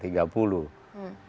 tentang undang tiga puluh